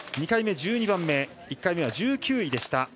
２回目、１２番目１回目は１９位でした。